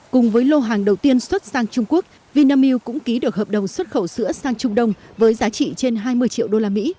cùng với lô hàng đầu tiên xuất sang trung quốc vinamilk cũng ký được hợp đồng xuất khẩu sữa sang trung đông với giá trị trên hai mươi triệu usd